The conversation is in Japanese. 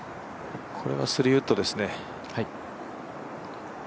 これは３ウッドですね。